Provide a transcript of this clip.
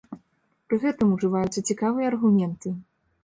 Пры гэтым ужываюцца цікавыя аргументы.